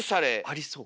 ありそう。